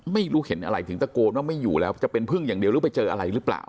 ไม่รู้เห็นอะไรถึงตะโกนว่าไม่อยู่แล้วจะเป็นพึ่งอย่างเดียวหรือไปเจออะไรหรือเปล่า